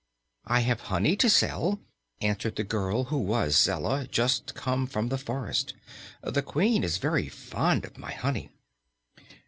"I have honey to sell," answered the girl, who was Zella, just come from the forest. "The Queen is very fond of my honey."